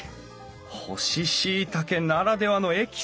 干ししいたけならではのエキス！